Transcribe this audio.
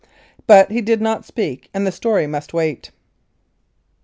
But he did not speak, and the story must wait."